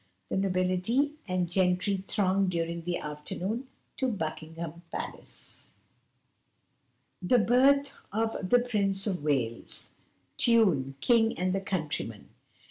The nobility and gentry thronged during the afternoon to Buckingham Palace. THE BIRTH OF THE PRINCE OF WALES. Tune King and the Countryman.